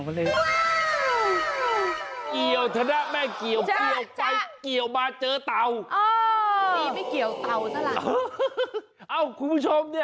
เกี่ยวทะนะแม่เกี่ยวเกี่ยวไปเกี่ยวมาเจ้า